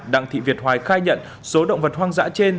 đặng thị việt hoài khai nhận số động vật hoang dã trên